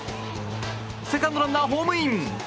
セカンドランナーホームイン！